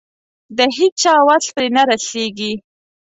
د هيچا وس پرې نه رسېږي.